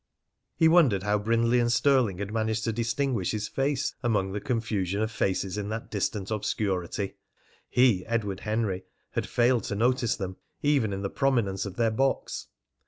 He wondered how Brindley and Stirling had managed to distinguish his face among the confusion of faces in that distant obscurity; he, Edward Henry, had failed to notice them, even in the prominence of their box.